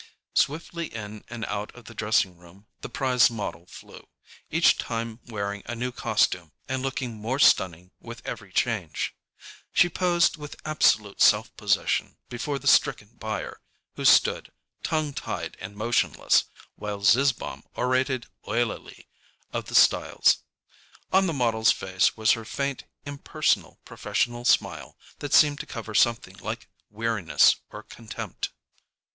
Swiftly in and out of the dressing room the prize model flew, each time wearing a new costume and looking more stunning with every change. She posed with absolute self possession before the stricken buyer, who stood, tongue tied and motionless, while Zizzbaum orated oilily of the styles. On the model's face was her faint, impersonal professional smile that seemed to cover something like weariness or contempt.